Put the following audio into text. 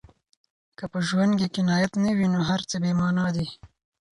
که په ژوند کې قناعت نه وي، نو هر څه بې مانا دي.